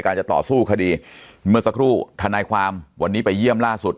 จะต่อสู้คดีเมื่อสักครู่ธนายความวันนี้ไปเยี่ยมล่าสุด